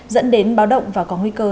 dẫn đến báo động và có nguy cơ